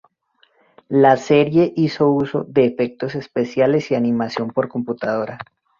La serie hizo uso de efectos especiales y animación por computadora.